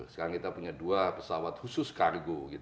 sekarang kita punya dua pesawat khusus kargo